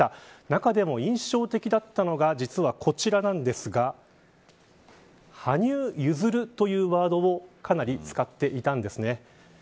中でも印象的だったのが実はこちらなんですが羽生結弦というワードをかなり使っていたんですね。